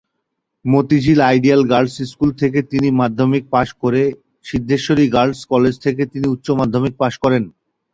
Motijheel ideal girls school থেকে তিনি মাধ্যমিক পাশ করে সিদ্ধেশ্বরী গার্লস কলেজ থেকে তিনি উচ্চমাধ্যমিক পাশ করেন।